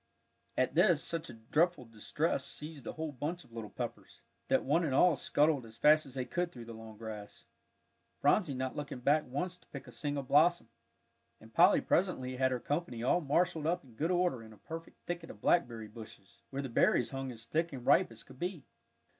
At this, such a dreadful distress seized the whole bunch of little Peppers, that they one and all scuttled as fast as they could through the long grass, Phronsie not looking back once to pick a single blossom; and Polly presently had her company all marshalled up in good order in a perfect thicket of blackberry bushes, where the berries hung as thick and ripe as could be.